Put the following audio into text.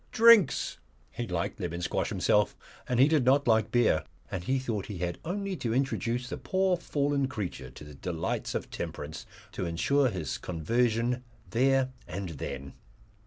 Drinks! He liked lemon squash himself and he did not like beer, and he thought he had only to introduce the poor fallen creature to the delights of temperance to ensure his conversion there and then.